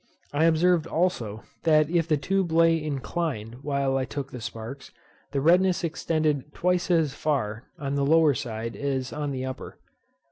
I observed also, that if the tube lay inclined while I took the sparks, the redness extended twice as far on the lower side as on the upper.